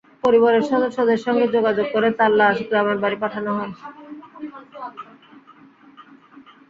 পরিবারের সদস্যদের সঙ্গে যোগাযোগ করে তাঁর লাশ গ্রামের বাড়ি পাঠানো হবে।